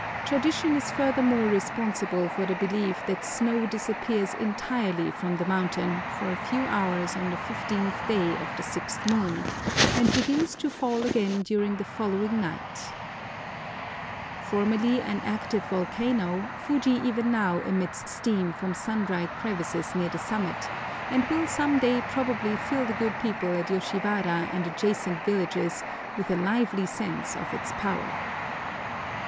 Tradition is furthermore responsible for the belief that snow disappears entirely from the mountain for a few hours on the fifteenth day of the sixth moon, and begins to fall again during the following night. Formerly an active volcano, Fuji even now emits steam from sundry crevices near the summit, and will some day probably fill the good people at Yoshiwara and adjacent villages with a lively sense of its power.